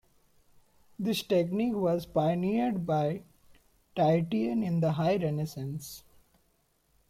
This technique was pioneered by Titian in the High Renaissance.